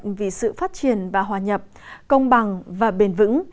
người khuyết tật vì sự phát triển và hoa nhập công bằng và bền vững